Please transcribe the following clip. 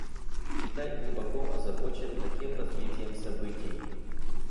Китай глубоко озабочен таким развитием событий.